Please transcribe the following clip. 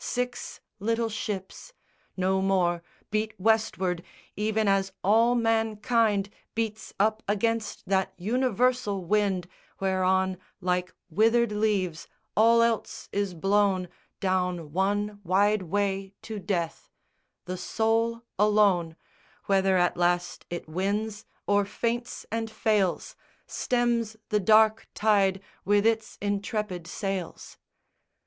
Six little ships, No more, beat Westward, even as all mankind Beats up against that universal wind Whereon like withered leaves all else is blown Down one wide way to death: the soul alone, Whether at last it wins, or faints and fails, Stems the dark tide with its intrepid sails.